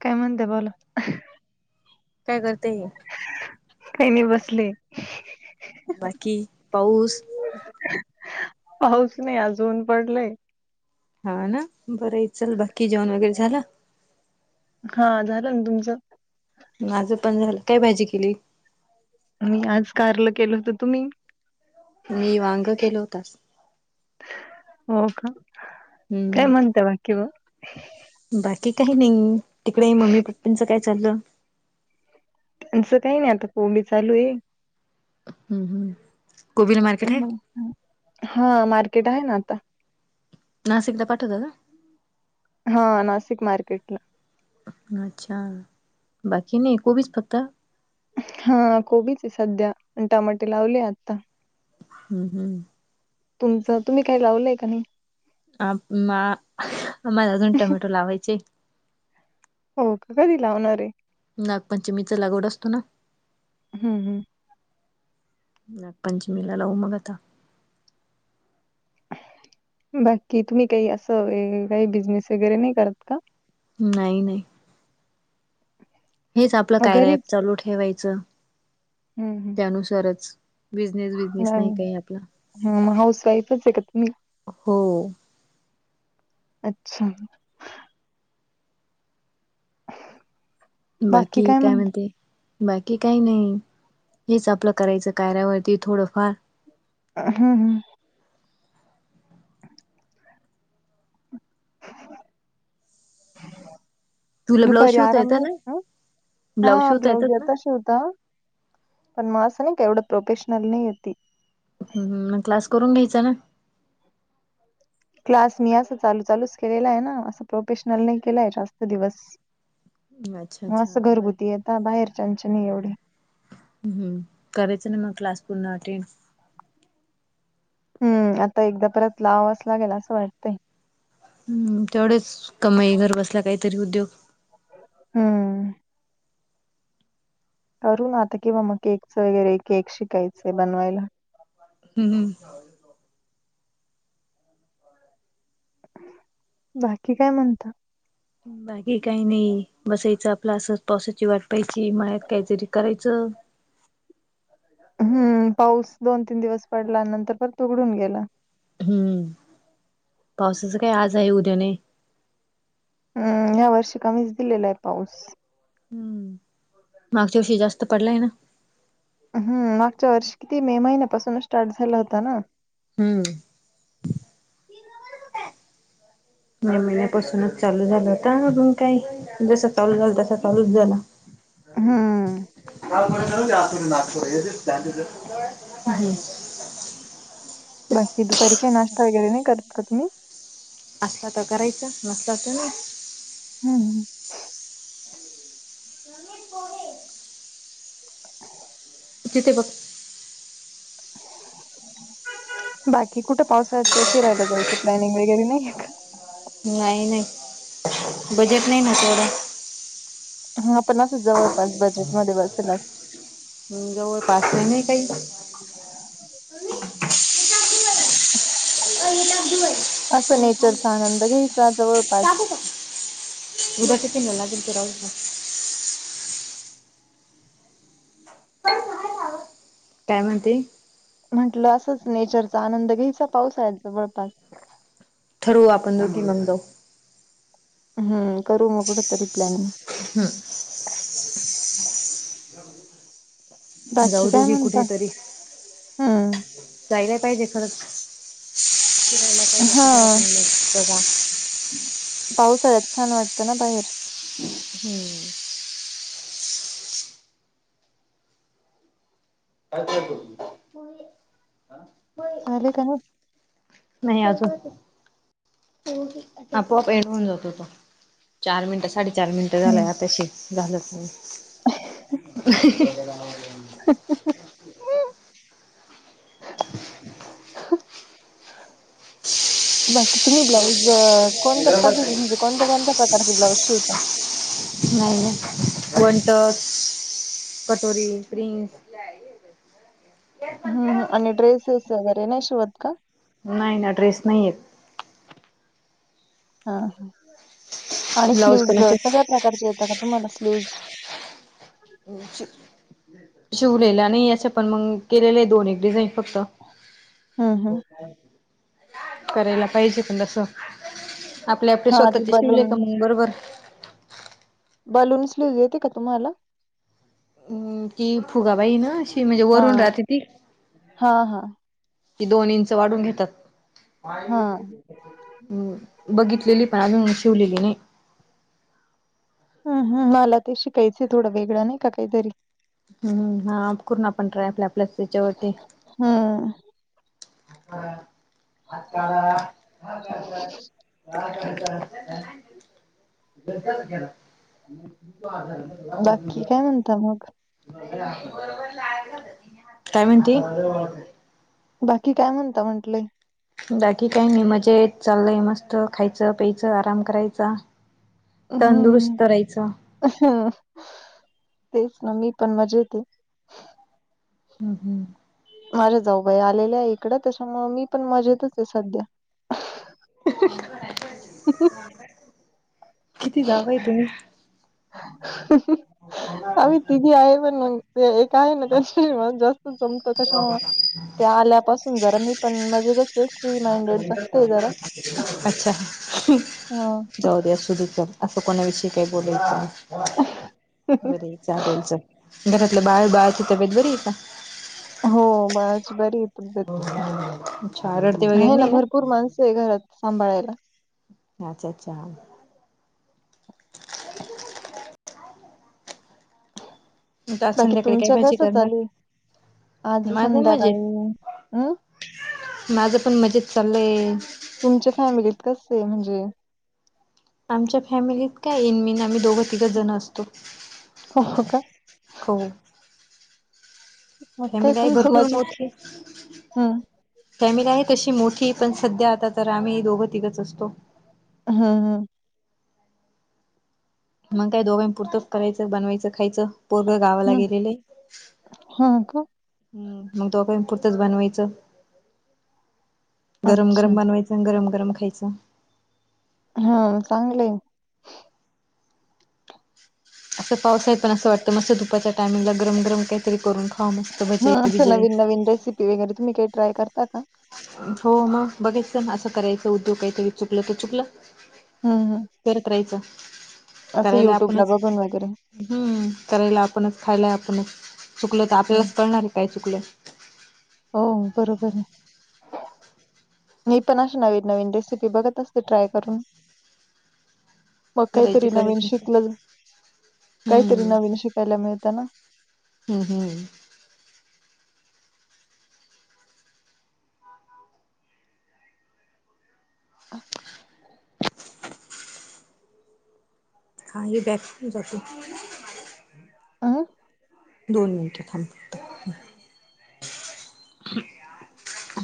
काय म्हणता बोला, काय काय करते करती ग काय नाय बसले. बाकी पाऊस पाऊस नाय अजून पडलाय. हा ना बरंय चल बाकी जेवण वगैरे झालं. हो झालं ना तुमचं माझं पण झालं काय भाजी केली? मी आज कारल केलं होतं तुम्ही? मी वांग केल होत आज. हो का काय हम्म म्हणता बाकी म बाकी काही नाही तिकडे मम्मी पप्पांचं काय चाललं? त्यांचं काही नाय आता पेरणी चालू ये. हम्म हम्म कोबीला मार्केट काय आहे मं [unintelligible] हा मार्केट आहे ना आता नाशिकला पाठवता का? हो नाशिक मार्केटला अच्छा बाकी नाही कोबीच फक्त हा कोबीचये सध्या टमाटे लावले आता हम्म हम्म. तुमचं तुम्ही काही लावलंय का. आ आम्हाला अजून टमॅटो लावायचे. हो का कधी लावणारे. नागपंचमीचा लागवड असतो ना. हम्म हम्म. नाग पंचमीला लावू मग आता. बाकी तुम्ही काही असं काही बिझनेस वगैरे नाही करत का?? नाही नाही. हेच आपलं मग कार्य ॲप चालू ठेवायचं. हम हम. च बिनेस बजनेस नाही का आपला हा मग हाऊस वाईफच आहे का तुम्ही हो. अच्छा. बाकी काय म्हणते. बाकी काही नाही हेच आपलं करायचं कार्यावरती थोडंफार हम्म हम्म. [inaudible] तुला ब्लाऊज दुपारी शिवता आराम येतं ना नसतो हा शिवता ब्लाऊज येतात ना येता शिवता पण मला असं नाही एवढं प्रोफेशनल नाही आहेत ती ह मग क्लास करून घ्यायचा ना. क्लास मी असं चालू चालूच केलेला आहे ना असं प्रोफेशनल नाही केलाय जास्त दिवस. ना अच्छा मग अच्छा असं घरगुती यता बाहेरच्याचे नाही एवढे. हम करायचं ना मग क्लास पूर्ण अटेंड. हम्म आता एकदा परत लावावेच लागते असं वाटतय. हम्म तेवढेच कमाई घर बसल्या काहीतरी उद्योग. हम्म. करू ना आता कि बा मग केकचं वगैरे केक शिकायचंय बनवायला. हम्म हम्म. बाकी काय म्हणता. बाकी काही नाही बसायचं आपला असं पावसाची वाट पायची मध्यात काहीतरी करायचं. हम्म पाऊस दोन तीन दिवस पडला नंतर पण उघडून गेला. हम्म पावसाच काय आज आहे उद्या नाही. हम्म ह्या वर्षी कमीच दिलेला आहे पाऊस. हम्म मागच्या दिवशी जास्त पडलाय ना. हम् मागच्या वर्ष किती मे महिन्यापासून स्टार्ट झाला होता ना. हम्म. मे महिन्यापासूनच चालू झालं होता अजून काही. जसं चालू झाल तस चालूच झाला. हम्म. [inaudible] बाकी दुपारी काही नाश्ता वगैरे नाही करत का तुम्ही असलं तर करायच नसला तर नाही. हम्म. [unintelligible] तिथे बघ. बाकी कुठे पावसाळ्यात काय फिरायला जायचं प्लॅनिंग वगैरे नाहीय का? नाही नाही बजेट नाही ना तेवढं. ह पण असं जवळपास बजेटमध्ये बसेल असं हम्म जवळ पास आहे नाही काही असं नेचरचा आनंद घ्यायचा [unintelligible] जवळपास. [unintelligible] काय म्हणते? म्हटलं असंच नेचरचा आनंद घ्यायचा पाऊस आहे जवळपास ठरवू आपण दोघी मग जावू. हम्म करू मग कुठ तरी प्लॅनिंग हम बाकी जाऊ काय दोघी म्हणता कुठेतरी हम्म जायला पाहिजे खरंतर. हा पावसाळ्यात छान वाटतं ना बाहेर. हम्म [unintelligible] हा झाले का नाही नाही अजुन. आपोआप एन्ड होऊन जातो तो चार मिनिटं साडेचार मिनिटं झालाय हम्म. आताशी झालंत नाही. [unintelligible] [unintelligible] बाकी तुम्ही ब्लाऊज कोणत्या नाही पद्धतीने कोणत्या कोणत्या प्रकारचे ब्लाउज शिवता? नाही ना वंटक कटोरी प्रिंगस हम् आणि ड्रेसेस वगैरे नाही शिवत का? नाही ना ड्रेस नाही येत. हा ह आणि ब्लाऊज स्लिवज पण असे सगळ्या प्रकारचे येतात का तुम्हाला स्लीवज [unintelligible] शिवलेलं नाही असं पण मग केलेले आहे दोन एक डिझाईन फक्त हम्म हम् करायला पाहिजे पण जस आपले आपले हा ते स्वतःचे शिवले बलून काय मग बरोबर बलून्स स्लीव्ह येते का तुम्हाला? हम्म ती फुगा बाही ना अशी म्हणजे हा वरून राहते ती. हा हा. हि दोन इंच वाढून घेतात. हा हम्म बघितलेली पण अजून शिवलेली नाही. हा, हा मला ते शिकायचं थोडं वेगळं नाही का काहीतरी. हम्म हा करून आपण ट्राय आपल्या आपल्या तेच्यावरती हम्म हा. [unintelligible] [unintelligible] बाकी काय म्हणता मग काय म्हणती? बाकी काय म्हणता म्हंटलंय. बाकी काही मी मजेत चालय मस्त खायचं प्यायचं आराम करायचा. हम्म तंदुरुस्त राहायचं. तेच ना मी पण मजेत हम् हम् माझ्या जाऊबाई आलेल्या आहे इकडं तेच्यामुळ मी पण मजेतच हे सध्या किती जाऊबाई तुम्ही? आम्ही तिघी आहे पण मंग ते एक आहे ना त्याच्याशी मा जास्त जम त तेच्यामुळं ते आल्यापासून जरा मी पण मजेतच हे फ्री माइंडेडच अच्छा ह जाऊ द्या आसूदे चल असं कोणाविषयी काही बोलेलं का बर हे चालेल चल घरातलं बाळ बाळाची तब्येत बरी आहे का? हो बाळाची बरी आहे तबेत. आच्छा रड आहे ना भरपूर माणसं आहे घरात सांभाळायला. अच्छा अच्छा आता आज बाकी संध्याकाळी काय तुमच्या भाजी कसं करणार? चालू आहे आज माझा संध्याकाळी हम् मजेत माझं पण मजेत चालय. तुमच्या फॅमिलीत कसं हे म्हणजे? आमच्या फॅमिलीत काय इनमिन आम्ही दोघं तिघ जण असतो. हो हो का? हो. मग काय फॅमिली आहे तुमचं भरपूर मजेत मोठी हम्म फॅमिली आहे तशी मोठी पण सध्या आता तर आम्ही दोघं तिघच असतो. हुं, हुं. मग काय दोघांपुरतं करायचं, बनवायचं, खायचं. पोरग गावाला हम्म गेलेले हे. हा का हम्म मग दोघा पुरतंच बनवायचं, गरम अच्छा गरम बनवायचं. गरम गरम खायचं. हा चांगलं हे. आसं पाऊस आहे पण असं वाटतं मस्त दुपाच्या टायमिंगला गरम गरम काय तरी करून खाऊ मस्त भजेबीजे. भजी वगैरे तुम्ही काय ट्राय करता का? हो म बघ्यायचं ना आसं करायचं उद्योग काय तरी चुकलं तर चुकलं. हुं, हुं. करत राहायचं करायला युट्यूबला आपणच बघून वगैरे हम्म करायला आपणच, खायला आपणच, चुकलं त हम्म. आपल्यालाच कळणार आहे काय चुकलं. हो बरोबर आहे. मी पण अशे नवीन नवीन रेसिपी बघत असते ट्राय करून. मग करायची काहीतरी नवीन करायची शिकलं काहीतरी हम्म. नवीन शिकायला मिळत ना. हुं, हुं काही बॅग [unintelligible] जातो. आह दोन मिनटं थांब फक्त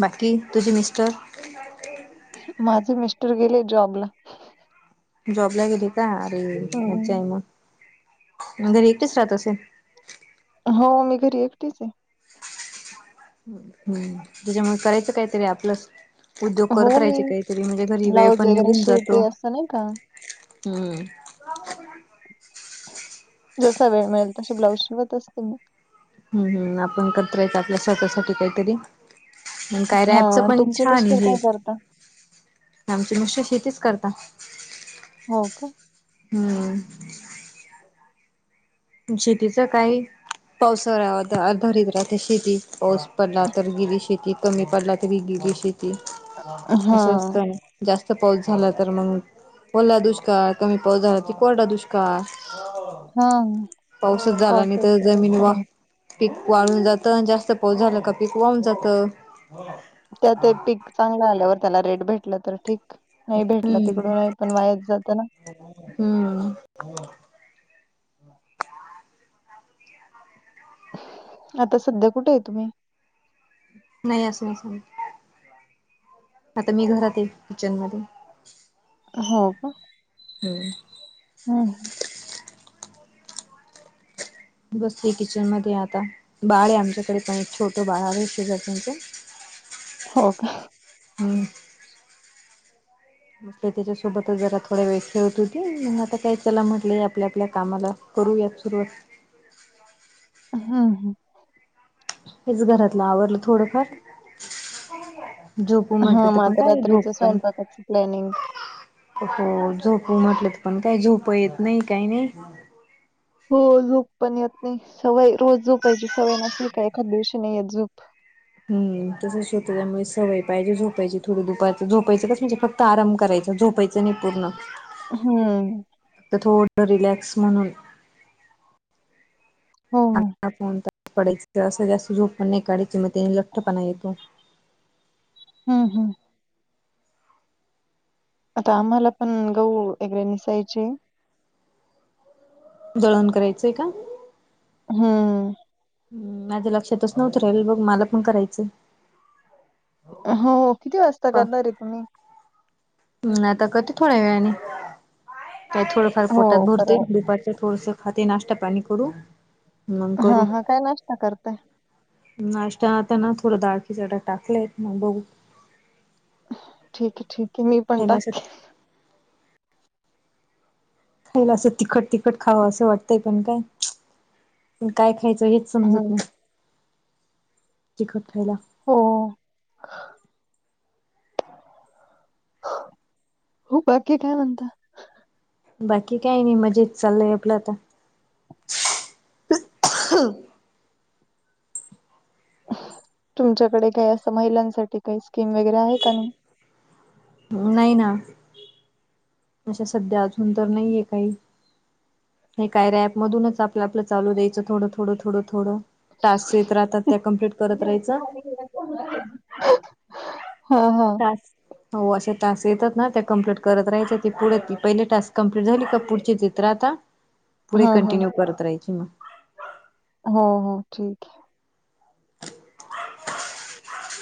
बाकी तुझी मिस्टर ह ते माझे मिस्टर गेले जॉब ला जॉबला गेली का आरे मज्जा हम्म आहे म मग घरी एकटीच राहत असेन? हो मी घरी एकटीच आहे. हम्म तेच्यामुळ करायचं काहीतरी आपलंच. उद्योग हो करत मी राहायचे काहीतरी म्हणजे घरी वेळ ब्लाऊज पण वगैरे निघून जातो शिवते असं नाही का. हम्म. जसा वेळ मिळेल तसे ब्लाउज शिवत असते मी. हुं, हुं, आपण करत राहायच आपल्या स्वतःसाठी काहीतरी. म काय हा रॅपच पण तुमचे छान मिस्टर आहे हे. काय करता? आमची मग शेतीच करता. हो का? हम. मग शेतीच काही. पावसाळ्यातआर्धारीत राहत शेती पाऊस पडला तर गेली शेती कमी पडला तरी गेली शेती हा असं असतना. जास्त पाऊस झाला तर मग ओला दुष्काळ कमी पाऊस झाला की कोरडा दुष्काळ. हा पाऊसच झाला नाही तर पावसाचं काय जमीन वा खरं पीक वाळून जातं जास्त पाऊस झाला का पीक वाहुन जात. त्या ते पीक चांगलं आल्यावर त्याला रेट भेटलं तर ठीक नाही भेटलं हम्म तिकडून नाही. पण वायाच जातं ना. हम्म आता सध्या कुठे आहे तुम्ही. नाही असें ना सां आता मी घरात आहे किचन मध्ये. हो का हम्म. हम. बसले किचन मध्ये आता बाळ आहे आमच्याकडे पण छोट बाळ शेजार्यांचं. हो का? हम्. मग त्याच्यासोबतच जरा थोड्या वेळ खेळत होती मग आता काय चला म्हटलं आपल्या आपल्या कामाला. करूयात सुरुवात. हा हा. हेच घरातलं आवडलं थोडंफार झोपू म्हणत हा ते मग पण आता काय झोप रात्रीच पण स्वयंपाकाच प्लॅनिंग हो झोप म्हटलत पण काय झोप येत नाही काही नाही. हो झोप पण येत नाही सवय रोज झोपायची सवय नसली का एखाद दिवशी नाही येत झोप हम् तसच होत त्यामुळे सवय पाहिजे झोपायची थोडी दुपारची झोपायचें कस म्हणजे फक्त फक्त आराम करायचा झोपायचं नाही पूर्ण हम्म. तर थोडं रिलॅक्स म्हणून हो. ण पडयच असं जास्त झोप पण नाही काढयचीि मग त्यानी लठ्ठपणा येतो. हम्म हम्. आता आम्हाला पण गहु वगैरे नसायचे. दळण करायचंय का? हम्म. ह् माझ्या लक्षातच नव्हतं राहिल बघ मला पण करायचं. हो किती वाजता, करणार रे तुम्ही. ह आता करते थोड्या वेळाने थोडंफार हो पोटात, करा भरते दुपारचे थोडसे. हात नाश्ता पाणी, करू हम हा करू हा काय नाश्ता करताय नाश्ता आता ना थोडं, दाळखकीचाड टाकलेयत मग बघ. ठीक आहे ठीक आहे मी पण खायला टाक असं खायला असं तिखट तिखट खावं असं वाटतंय, पण काय पण काय खायचं हे समजत हम्म नाही तिखट खायला. हो हो बाकी काय म्हणता. बाकी काही नाही, मजेत चालय आपलं आता. तुमच्याकडे काही असं महिलांसाठी काही स्कीम वगैरे आहे का नाही नाही ना अशा सध्या अजून, तर नाहीय काही. हे काय रॅपमधूनच आपलं-आपलं, चालू द्याचं थोडं थोडं-थोडं-थोडं. टास्क येत राहतात, त्या कम्प्लीट करत राहायच. हा हा हो असे तास येतात, ना त्या कमप्लीट करत राहायचे. ते पुढे पहिले टास्क कंप्लीट झाली, का पुढची ते त्र आता पुढे हा हा कंटिन्यू करत, राहायची मग हो हो ठीक आहे.